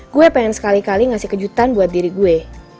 gue pengen sekali kali ngasih kejutan buat diri gue